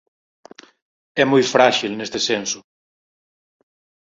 É moi fráxil neste senso.